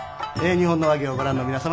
「日本の話芸」をご覧の皆様